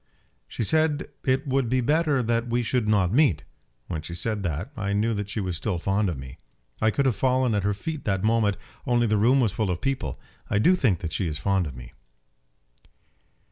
"She said it would be better that we should not meet. When she said that, I knew that she was still fond of me. I could have fallen at her feet that moment, only the room was full of people. I do think that she is fond of me."